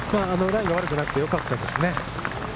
ライが悪くなくてよかったですね。